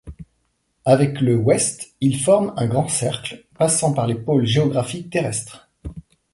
Avec le ouest, il forme un grand cercle passant par les pôles géographiques terrestres.